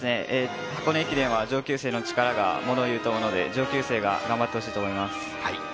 箱根駅伝は上級生の力がものをいうと思うので上級生が頑張ってほしいと思います。